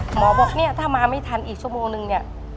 หมอบอกเนี่ยถ้ามาไม่ทันอีกชั่วโมงนึงเนี่ย